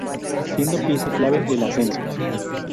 Siendo pieza clave del ascenso.